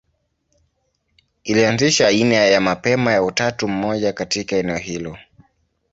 Ilianzisha aina ya mapema ya utatu mmoja katika eneo hilo.